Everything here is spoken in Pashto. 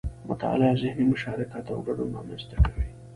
مطالعه ذهني مشارکت او ګډون رامنځته کوي